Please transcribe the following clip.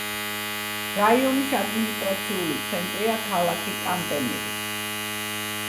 რაიონის ადმინისტრაციული ცენტრია ქალაქი კანტემირი.